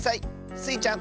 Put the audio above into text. スイちゃん